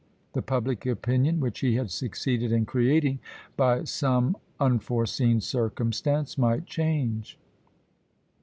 The public opinion which he had succeeded in creating, by some unforeseen circumstance might change.